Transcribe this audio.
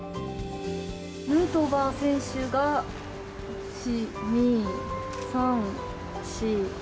ヌートバー選手が１、２、３、４。